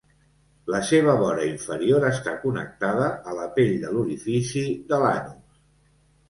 La seva vora inferior està connectada a la pell de l'orifici de l'anus.